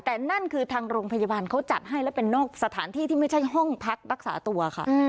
แต่นั่นคือทางโรงพยาบาลเขาจัดให้และเป็นนอกสถานที่ที่ไม่ใช่ห้องพักรักษาตัวค่ะ